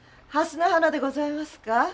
蓮の花でございますか。